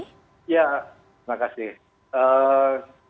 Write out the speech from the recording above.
ya terima kasih